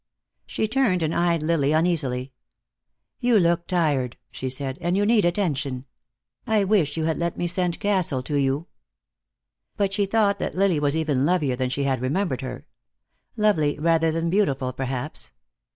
She turned and eyed Lily uneasily. "You look tired," she said, "and you need attention. I wish you had let me send Castle to you." But she thought that lily was even lovelier than she had remembered her. Lovely rather than beautiful, perhaps.